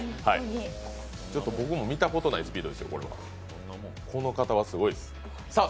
僕も見たことないスピードですよ、この方はすごいです。